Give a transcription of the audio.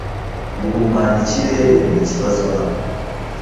Guhumanya ikirere nikibazo hano.